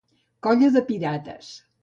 Colla de pirates.